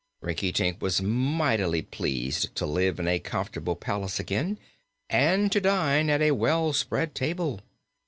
Rinkitink was mightily pleased to live in a comfortable palace again and to dine at a well spread table.